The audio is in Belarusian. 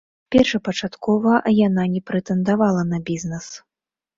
Першапачаткова яна не прэтэндавала на бізнэс.